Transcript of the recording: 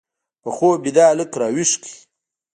په خوب بیده هلک راویښ کړ